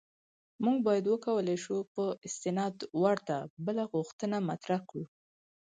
موږ باید وکولای شو په استناد ورته بله غوښتنه مطرح کړو.